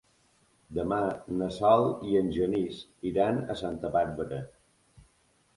Demà na Sol i en Genís iran a Santa Bàrbara.